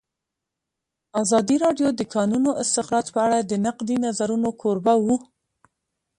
ازادي راډیو د د کانونو استخراج په اړه د نقدي نظرونو کوربه وه.